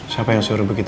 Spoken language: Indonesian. siapa yang suruh begitu